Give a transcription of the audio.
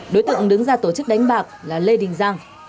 đối tượng đứng ra tổ chức đánh bạc là lê đình giang